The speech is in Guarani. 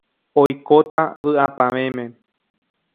oikóta vy'apavẽme.